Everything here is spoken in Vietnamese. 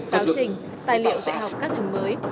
đào trình tài liệu dạy học các hướng mới